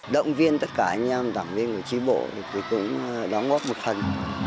động viên tất cả anh em tổng viên của trí bộ thì cũng đóng góp một phần